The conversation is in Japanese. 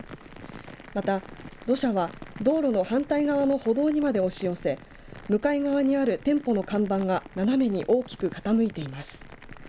また土砂は道路の反対側の歩道にまで押し寄せ向かい側にある店舗の看板が斜めに大きく傾いています。